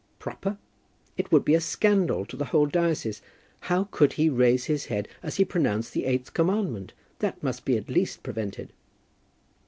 "Proper! It would be a scandal to the whole diocese. How could he raise his head as he pronounced the eighth commandment? That must be at least prevented."